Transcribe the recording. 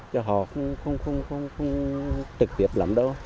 chứ họ không không không không không trực tiếp lắm đâu